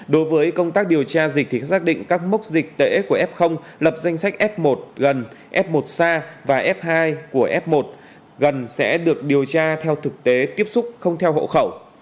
đối với công tác điều tra dịch thì xác định các mốc dịch tễ của f lập danh sách f một gần f một sa và f hai của f một gần sẽ được điều tra theo thực tế tiếp xúc không theo hộ khẩu